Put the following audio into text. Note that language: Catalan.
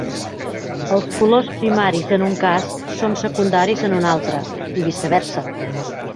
Els colors primaris en un cas són secundaris en un altre, i viceversa.